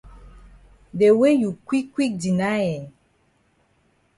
De way you quick quick deny eh.